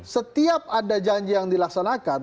setiap ada janji yang dilaksanakan